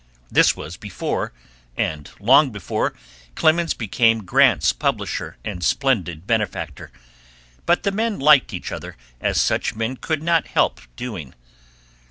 This was before, and long before, Clemens became Grant's publisher and splendid benefactor, but the men liked each other as such men could not help doing.